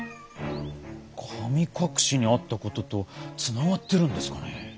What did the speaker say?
神隠しにあったこととつながってるんですかね。